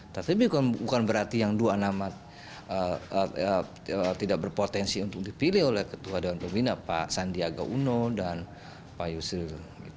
tapi bukan berarti yang dua nama tidak berpotensi untuk dipilih oleh ketua dewan pembina pak sandiaga uno dan pak yusril